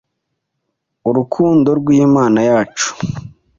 Urukundo rwimana yacu